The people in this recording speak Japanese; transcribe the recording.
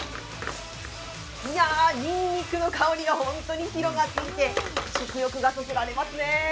いや、にんにくの香りがホントに広がっていて、食欲がそそられますね。